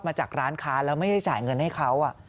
มาจากร้านค้าแล้วไม่ได้จ่ายเงินให้เขา